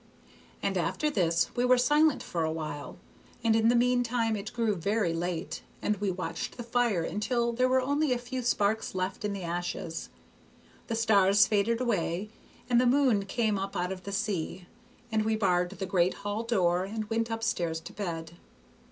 And after this we were silent for a while, and in the mean time it grew very late, and we watched the fire until there were only a few sparks left in the ashes. The stars faded away and the moon came up out of the sea, and we barred the great hall door and went up stairs to bed.